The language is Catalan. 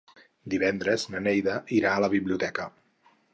Divendres na Neida irà a la biblioteca.